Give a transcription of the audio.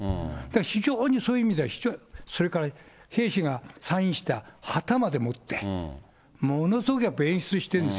非常にそういう意味では非常に、それから兵士がサインした旗まで持って、ものすごくやっぱり演出ただ